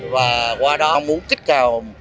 và qua đó muốn kích cào